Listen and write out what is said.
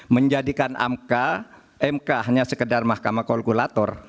menjadikan mk hanya sekedar mahkamah kalkulator